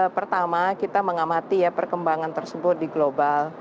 pertama kita mengamati ya perkembangan tersebut di global